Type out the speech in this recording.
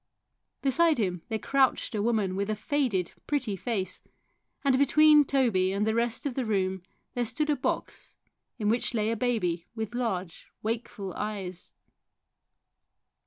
Beside him there crouched a woman with a faded, pretty face, and between Toby and the rest of the room there stood a box in which lay a baby with large, wakeful eyes.